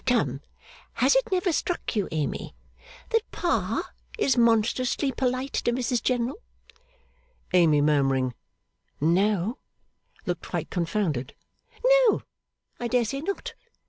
Come! Has it never struck you, Amy, that Pa is monstrously polite to Mrs General.' Amy, murmuring 'No,' looked quite confounded. 'No; I dare say not.